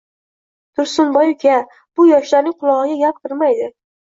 Tursunboy uka, bu yoshlarning qulog‘iga gap kirmaydi